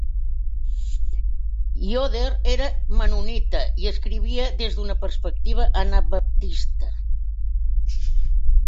Yoder era mennonita i escrivia des d'una perspectiva anabaptista.